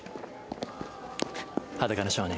『裸の少年』。